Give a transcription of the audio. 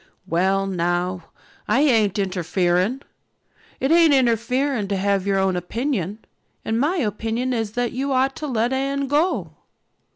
"Well now, I ain't interfering. It ain't interfering to have your own opinion. And my opinion is that you ought to let Anne go."